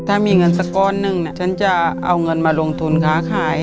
ถ้ามีเงินสักก้อนหนึ่งฉันจะเอาเงินมาลงทุนค้าขาย